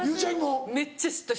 めっちゃ嫉妬します